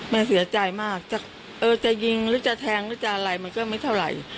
มันเสียใจมากจะยิงหรือจะแทงหรือจะอะไรมันก็ไม่เท่าไหร่